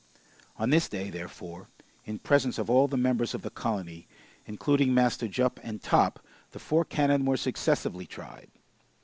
On this day, therefore, in presence of all the members of the colony, including Master Jup and Top, the four cannon were successively tried.